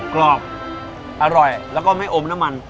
กรอบอร่อยแล้วก็ไม่อมน้ำมัน